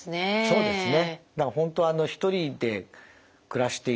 そうですね。